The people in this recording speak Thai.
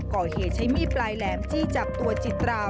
ก่อเหตุใช้มีดปลายแหลมจี้จับตัวจิตรา